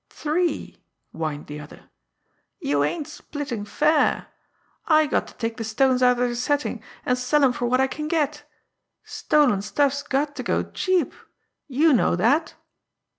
"Three," whined the other. "You ain't splitting fair. I got to take the stones out of their setting, and sell 'em for what I can get. Stolen stuff's got to go cheap. You know that."